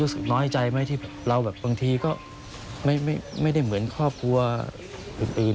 น้อยใจไหมที่เราแบบบางทีก็ไม่ได้เหมือนครอบครัวอื่น